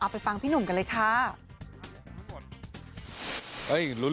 ไปฟังพี่หนุ่มกันเลยค่ะ